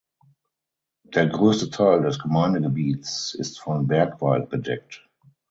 Der größte Teil des Gemeindegebiets ist von Bergwald bedeckt.